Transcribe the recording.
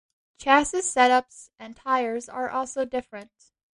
Chassis set ups and tires are also different.